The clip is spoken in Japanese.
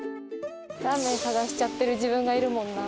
ラーメン探しちゃってる自分がいるもんな。